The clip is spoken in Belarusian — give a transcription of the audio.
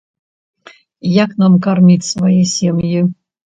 Як нам карміць свае сем'і?!